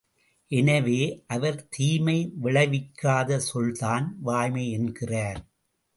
எனவே, அவர் தீமை விளைவிக்காத சொல்தான் வாய்மை என்கிறார்.